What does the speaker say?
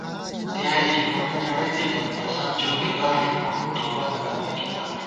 ڈیائے ژِی مونہ نېڑئی تھِمان ، تساں چوکیدار ݫُوپُوَہ توبَکہ لمئېکے پت